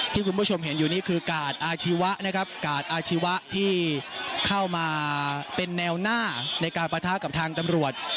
คุณผู้ชมเห็นอยู่นี่คือกาดอาชีวะนะครับกาดอาชีวะที่เข้ามาเป็นแนวหน้าในการปะทะกับทางตำรวจ